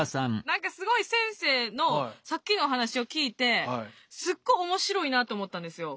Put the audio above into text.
何かすごい先生のさっきのお話を聞いてすっごい面白いなと思ったんですよ。